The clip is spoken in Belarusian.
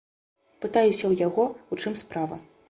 Пытаюся ў яго, у чым справа.